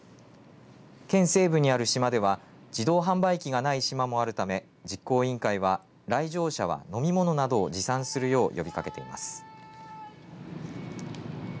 県西部にある島では自動販売機がない島もあるため実行委員会は来場者は飲み物などを持参するよう呼びかけています。